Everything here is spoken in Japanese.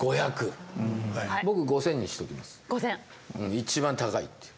一番高いっていう。